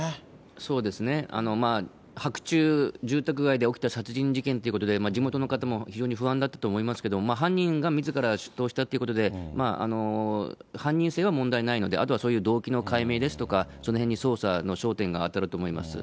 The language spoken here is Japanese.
そうですね、まあ白昼、住宅街で起きた殺人事件ということで、地元の方も非常に不安だったと思いますけれども、犯人がみずから出頭したということで、犯人性は問題ないので、あとはそういう動機の解明ですとか、そのへんに捜査の焦点が当たると思います。